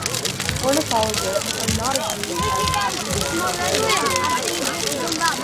Ornithologists are not agreed as to the reason for this association.